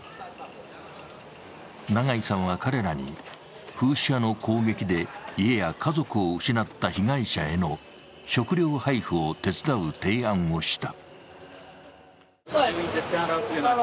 永井さんは彼らにフーシ派の攻撃で家や家族を失った被害者への食料配布を手伝う提案をした。